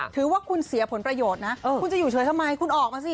ถือว่าคุณเสียผลประโยชน์นะคุณจะอยู่เฉยทำไมคุณออกมาสิ